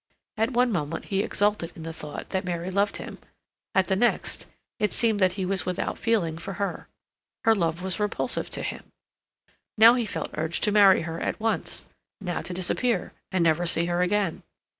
At one moment he exulted in the thought that Mary loved him; at the next, it seemed that he was without feeling for her; her love was repulsive to him. Now he felt urged to marry her at once; now to disappear and never see her again.